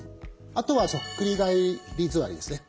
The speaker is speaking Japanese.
あとはそっくり返り座りですね。